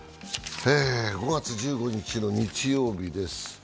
５月１５日の日曜日です。